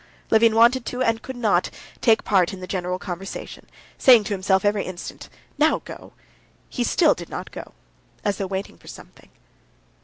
Levin wanted to, and could not, take part in the general conversation; saying to himself every instant, "Now go," he still did not go, as though waiting for something.